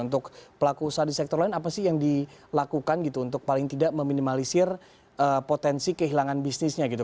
untuk pelaku usaha di sektor lain apa sih yang dilakukan gitu untuk paling tidak meminimalisir potensi kehilangan bisnisnya gitu